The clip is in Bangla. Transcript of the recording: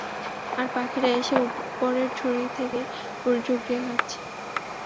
আর পাখিরা এসে উপরের ঝুড়ি থেকে রুটি ঠুকরিয়ে খাচ্ছে।